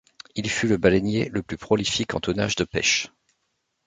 Il fut le baleinier le plus prolifique en tonnage de pêche.